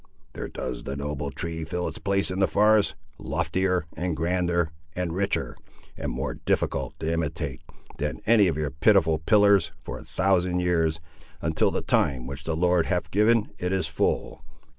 There does the noble tree fill its place in the forest, loftier, and grander, and richer, and more difficult to imitate, than any of your pitiful pillars, for a thousand years, until the time which the Lord hath given it is full.